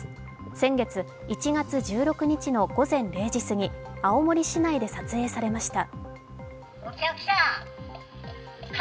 先月、１月１６日の午前０時すぎ青森市内で撮影されました。